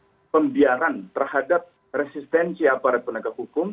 ada semacam pembiaran terhadap resistensi aparat penegakan hukum